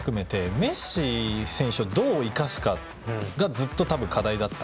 メッシ選手をどう生かすかがずっと課題だった。